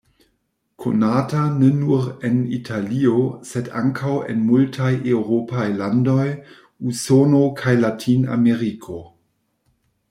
Konata ne nur en Italio sed ankaŭ en multaj eŭropaj landoj, Usono kaj Latinameriko.